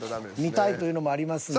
見たいというのもありますんで。